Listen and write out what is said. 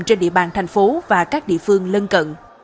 trên địa bàn thành phố và các địa phương lân cận